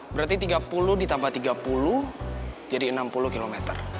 berarti tiga puluh ditambah tiga puluh jadi enam puluh km